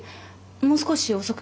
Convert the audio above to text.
もう少し遅くても。